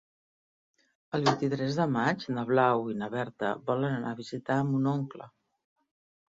El vint-i-tres de maig na Blau i na Berta volen anar a visitar mon oncle.